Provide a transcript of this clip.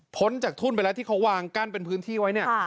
จากทุ่นไปแล้วที่เขาวางกั้นเป็นพื้นที่ไว้เนี่ย